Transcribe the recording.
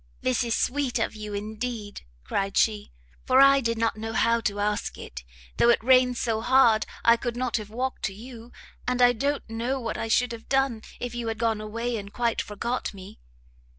"This is sweet of you indeed," cried she, "for I did not know how to ask it, though it rains so hard I could not have walked to you, and I don't know what I should have done, if you had gone away and quite forgot me."